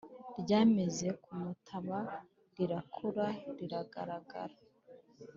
Ryameze ku mutaba Rirakura riragara.